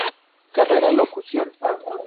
Carrera Locución.